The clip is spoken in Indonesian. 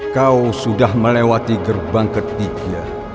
kau sudah melewati gerbang ketiga